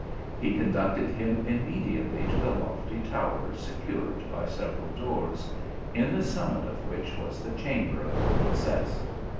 He conducted him immediately to the lofty tower secured by several doors, in the summit of which was the chamber of the princess.